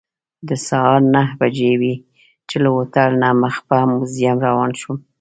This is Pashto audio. د سهار نهه بجې وې چې له هوټل نه مخ په موزیم روان شوم.